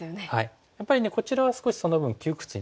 やっぱりこちらは少しその分窮屈になりますよね。